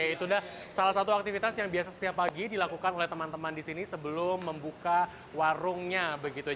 itu adalah salah satu aktivitas yang biasa setiap pagi dilakukan oleh teman teman disini sebelum membuka warungnya begitu ya